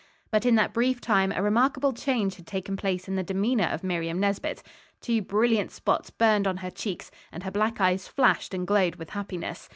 But in that brief time a remarkable change had taken place in the demeanor of Miriam Nesbit. Two brilliant spots burned on her cheeks, and her black eyes flashed and glowed with happiness.